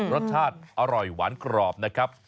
รสชาติอร่อยหวานกรอบนะครับ